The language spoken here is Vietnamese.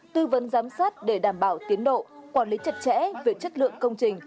tư vấn giám sát để đảm bảo tiến độ quản lý chặt chẽ về chất lượng công trình